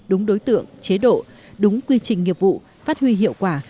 đúng đối tượng chế độ đúng quy trình nghiệp vụ phát huy hiệu quả